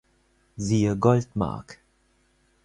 Siehe Goldmark.